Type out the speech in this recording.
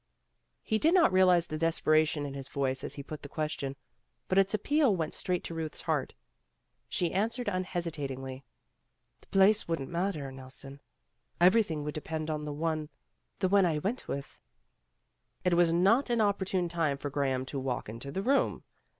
He did not realize the desperation in his voice as he put the question, but its appeal went straight to Ruth's heart. She answered un hesitatingly. "The place wouldn't matter, Nelson. Everything would depend on the one the one I went with." It was not an opportune time for Graham to walk into the room.